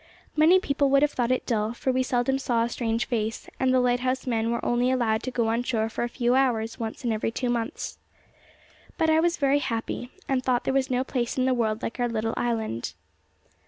Many people would have thought it dull, for we seldom saw a strange face, and the lighthouse men were only allowed to go on shore for a few hours once in every two months. But I was very happy, and thought there was no place in the world like our little island.